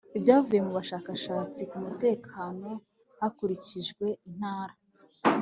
ibyavuye mu bushakashatsi k umutekano hakurikijwe intara